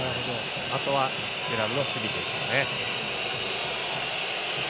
あとはテュラムの守備ですかね。